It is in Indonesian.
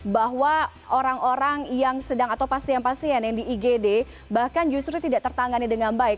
bahwa orang orang yang sedang atau pasien pasien yang di igd bahkan justru tidak tertangani dengan baik